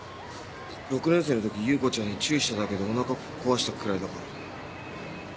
６年生の時優子ちゃんに注意しただけでお腹こわしたくらいだから。